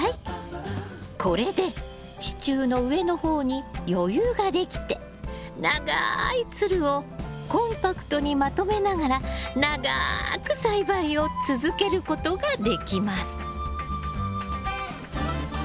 これで支柱の上の方に余裕ができて長いつるをコンパクトにまとめながら長く栽培を続けることができます。